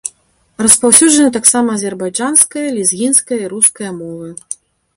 Распаўсюджаны таксама азербайджанская, лезгінская і руская мовы.